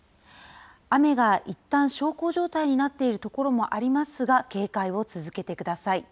雨がいったん小康状態になっている所もありますが、警戒を続けてください。